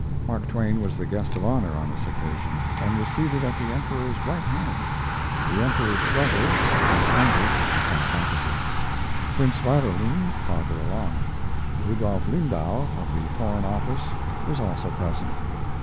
Mark Twain was the guest of honor on this occasion, and was seated at the Emperor's right hand. The Emperor's brother, Prince Heinrich, sat opposite; Prince Radolin farther along. Rudolf Lindau, of the Foreign Office, was also present.